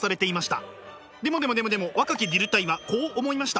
でもでもでもでも若きディルタイはこう思いました。